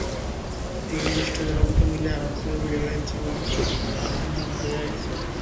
তিন দুষ্টু তেলাপোকা মিলে আরামপ্রিয় বিড়ালের জীবনের আরাম হারাম করে রেখেছে।